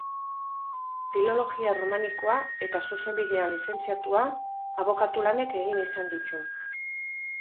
Filologia Erromanikoa eta Zuzenbidean lizentziatua, abokatu lanak egin izan ditu.